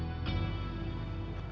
cuma kamu yang tidak diajak